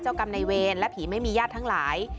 กรรมในเวรและผีไม่มีญาติทั้งหลาย